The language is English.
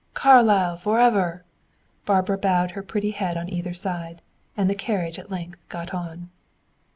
Carlyle forever!" Barbara bowed her pretty head on either side, and the carriage at length got on.